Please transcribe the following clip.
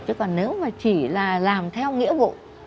chứ còn nếu mà chỉ là làm theo nghĩa vụ